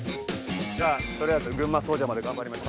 じゃあとりあえず群馬総社まで頑張りましょう。